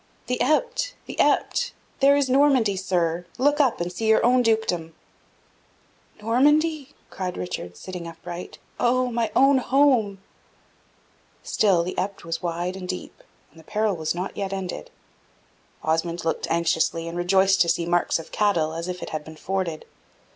"The Epte! the Epte! There is Normandy, sir! Look up, and see your own dukedom." "Normandy!" cried Richard, sitting upright. "Oh, my own home!" Still the Epte was wide and deep, and the peril was not yet ended. Osmond looked anxiously, and rejoiced to see marks of cattle, as if it had been forded.